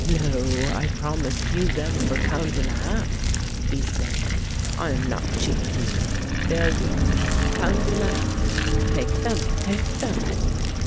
"No; I promised you them for pound and a half," he said. "I am not cheat dealer. They are yours — pound and a half. Take them, take them."